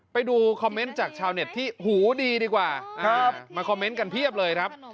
ไปดูคอมเมนต์จากชาวเน็ตที่หูดีดีกว่านะครับมาคอมเมนต์กันเพียบเลยครับ